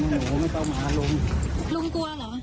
อ๋อคือเมื่อกี้พูดกับเขาว่าอะไรนะคะ